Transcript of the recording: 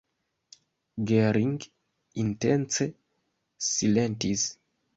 Gering intence silentis.